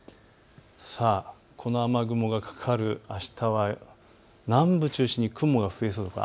この雨雲がかかるあしたは南部を中心に雲が増えそうです。